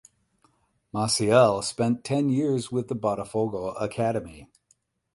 Maciel spent ten years with the Botafogo academy.